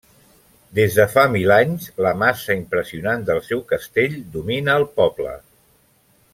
Des de fa mil anys, la massa impressionant del seu castell domina el poble.